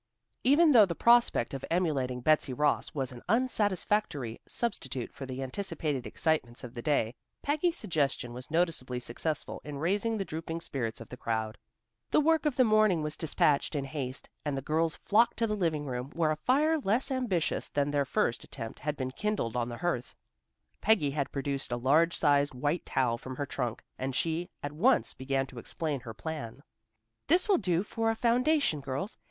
Even though the prospect of emulating Betsy Ross was an unsatisfactory substitute for the anticipated excitements of the day, Peggy's suggestion was noticeably successful in raising the drooping spirits of the crowd. The work of the morning was dispatched in haste, and the girls flocked to the living room where a fire less ambitious than their first attempt had been kindled on the hearth. Peggy had produced a large sized white towel from her trunk, and she at once began to explain her plan. "This will do for a foundation, girls.